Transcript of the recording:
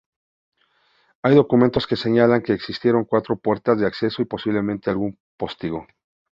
Hay documentación que señala que existieron cuatro puertas de acceso y posiblemente algún postigo.